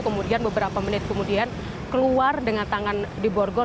kemudian beberapa menit kemudian keluar dengan tangan di borgol